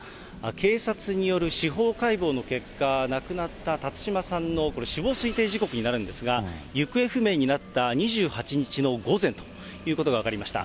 警察による司法解剖の結果、亡くなった辰島さんの死亡推定時刻になるんですが、行方不明になった２８日の午前ということが分かりました。